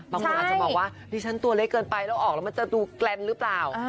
บางคนอาจจะมองว่าดิฉันตัวเล็กเกินไปแล้วออกแล้วมันจะดูแกรนหรือเปล่า